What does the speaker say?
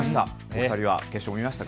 ２人は決勝、見ましたか。